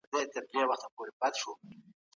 ایا کورني سوداګر وچه الوچه اخلي؟